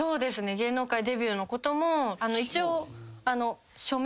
芸能界デビューのことも一応書面というか。